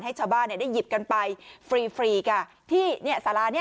ให้ชาวบ้านได้หยิบกันไปฟรี